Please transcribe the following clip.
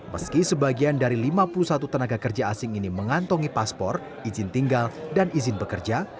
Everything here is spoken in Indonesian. meski sebagian dari lima puluh satu tenaga kerja asing ini mengantongi paspor izin tinggal dan izin bekerja